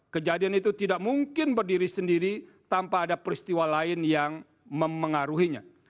kejadian itu tidak mungkin berdiri sendiri tanpa ada peristiwa lain yang memengaruhinya